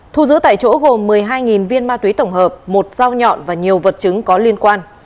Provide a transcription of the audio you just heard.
thu giữ tại chỗ gồm một mươi hai viên ma túy tổng hợp một dao nhọn và nhiều vật chứng có liên quan